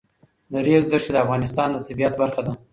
د ریګ دښتې د افغانستان د طبیعت برخه ده.